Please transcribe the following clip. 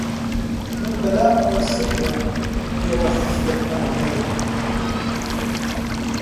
من بە لامەوە سەیرە ئێوە حیزبێکتان هەیە!